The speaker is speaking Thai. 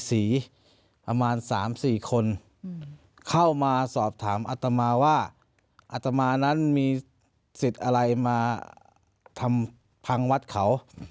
ประมาณ๓๔คนเข้ามาสอบถามอัตมาว่าอัตมานั้นมีสิทธิ์อะไรมาทำพังวัดเขา